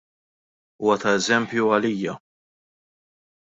Huwa ta' eżempju għalija.